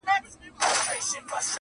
چي یو غټ سي د پنځو باندي یرغل سي،